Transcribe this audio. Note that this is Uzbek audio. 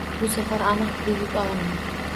Bu safar aniq kredit olaman.